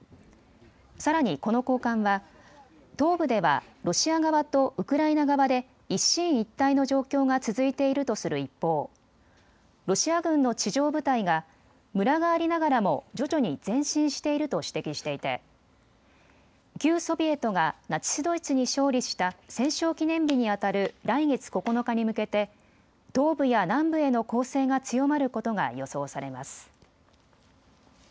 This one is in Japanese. さらにこの高官は東部ではロシア側とウクライナ側で一進一退の状況が続いているとする一方、ロシア軍の地上部隊がむらがありながらも徐々に前進していると指摘していて旧ソビエトがナチス・ドイツに勝利した戦勝記念日にあたる来月９日に向けて東部や南部への攻勢が強まることが予想されます。